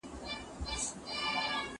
نوروز د ماشومانو د پاره ځانګړی موسم دی.